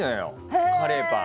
このカレーパン。